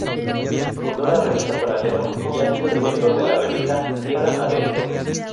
Fundó la revista "Paralelo" y ha sido director de la revista "Tierra Adentro".